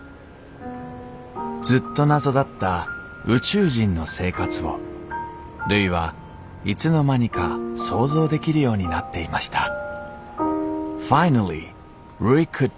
ずっと謎だった宇宙人の生活をるいはいつの間にか想像できるようになっていました。